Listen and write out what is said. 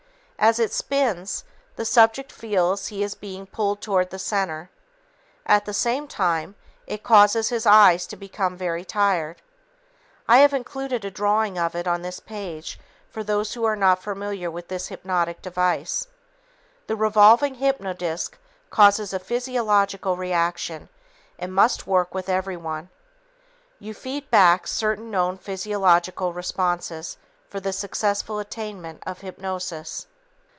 As it spins, the subject feels he is being pulled toward the center. At the same time, it causes his eyes to become very tired. I have included a drawing of it on this page for those who are not familiar with this hypnotic device. The revolving hypnodisc causes a physiological reaction and must work with everyone. You feed back certain known physiological responses for the successful attainment of hypnosis.